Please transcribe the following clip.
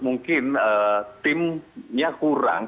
mungkin timnya kurang